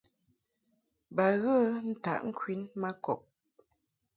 Ba ghə ntaʼ ŋkwin ma kɔb.